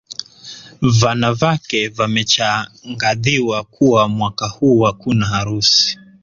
Vanavake vamechangadhiwa kuwa mwaka huu hakuna harusi